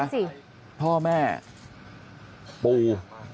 ลูกสาวหลายครั้งแล้วว่าไม่ได้คุยกับแจ๊บเลยลองฟังนะคะ